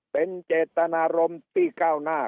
เป็นเจตนารมณ์ปี๙หน้า